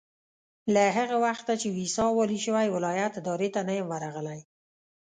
له هغه وخته چې ويساء والي شوی ولایت ادارې ته نه یم ورغلی.